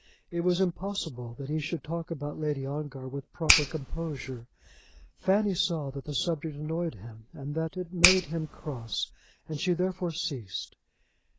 It was impossible that he should talk about Lady Ongar with proper composure. Fanny saw that the subject annoyed him and that it made him cross, and she therefore ceased.